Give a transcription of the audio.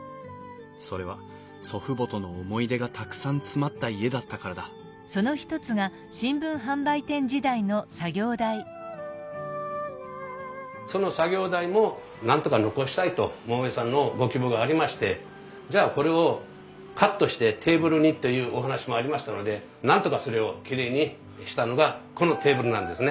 それは祖父母との思い出がたくさん詰まった家だったからだその作業台もなんとか残したいと桃井さんのご希望がありましてじゃあこれをカットしてテーブルにというお話もありましたのでなんとかそれをきれいにしたのがこのテーブルなんですね。